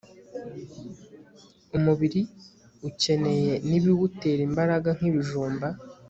umubiri ukeneye n'ibiwutera imbaraga nk'ibijumba